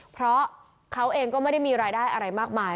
เพราะเขาเองก็ไม่ได้มีรายได้อะไรมากมาย